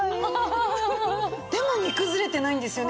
でも煮崩れてないんですよね。